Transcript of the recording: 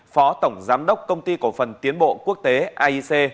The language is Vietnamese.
phó tổng giám đốc công ty cổ phần tiến bộ quốc tế aic